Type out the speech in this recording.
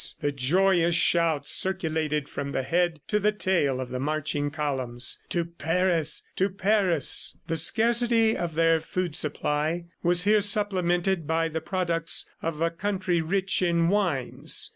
The joyous shout circulated from the head to the tail of the marching columns. "To Paris! To Paris!" The scarcity of their food supply was here supplemented by the products of a country rich in wines.